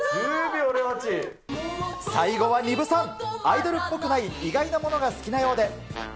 最後は丹生さん、アイドルっぽくない意外なものが好きなようで。